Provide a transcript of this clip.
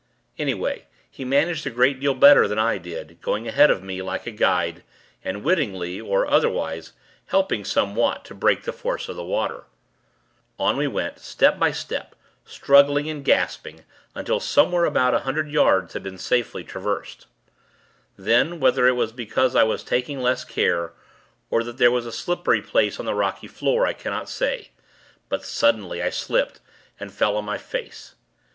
Anyway, he managed a great deal better than I did; going ahead of me, like a guide, and wittingly or otherwise helping, somewhat, to break the force of the water. On we went, step by step, struggling and gasping, until somewhere about a hundred yards had been safely traversed. Then, whether it was because I was taking less care, or that there was a slippery place on the rocky floor, I cannot say; but, suddenly, I slipped, and fell on my face.